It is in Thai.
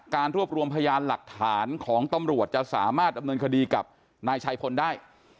รวบรวมพยานหลักฐานของตำรวจจะสามารถดำเนินคดีกับนายชัยพลได้